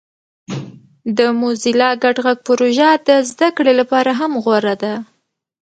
د موزیلا ګډ غږ پروژه د زده کړې لپاره هم غوره ده.